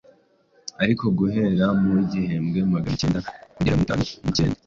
Ariko guhera mu wa igihumbi Magana acyenda kugera mu wa itanu nucyenda